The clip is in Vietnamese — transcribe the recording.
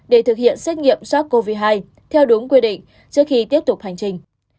để thực hiện xét nghiệm sars cov hai theo đúng quy định trước khi tiếp tục hành trình